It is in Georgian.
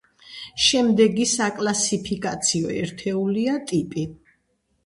შემდეგი საკლასიფიკაციო ერთეულია ტიპი.